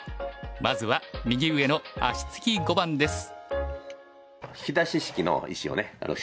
まずは右上の足つき碁盤です。